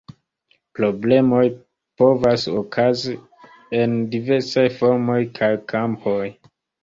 Problemoj povas okazi en diversaj formoj kaj kampoj.